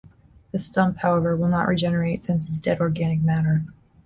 The stump, however, will not regenerate since it is dead organic matter.